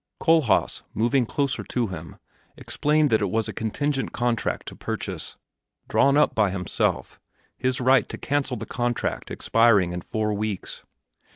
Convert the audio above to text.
Kohlhaas, moving closer to him, explained that it was a contingent contract to purchase, drawn up by himself, his right to cancel the contract expiring in four weeks.